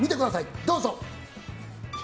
どうぞ！